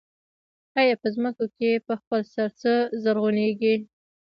آیا په ځمکو کې په خپل سر څه زرغونېږي